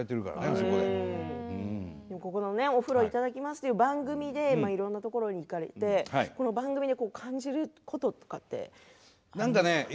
「サンドのお風呂いただきます」という番組でいろんなところに行かれて番組で感じることとかってありますか？